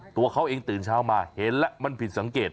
ตัวเขาเองตื่นเช้ามาเห็นแล้วมันผิดสังเกต